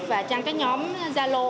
và trang các nhóm gia lô